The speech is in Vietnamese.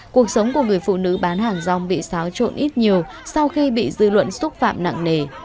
cuộc sống của người phụ nữ bán hàng rong bị xáo trộn ít nhiều sau khi bị dư luận xúc phạm nặng nề